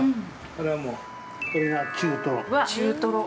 これはもう、これが中トロ。